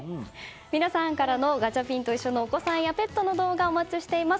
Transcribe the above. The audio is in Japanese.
皆さんからのガチャピンといっしょ！のお子さんやペットの動画お待ちしています。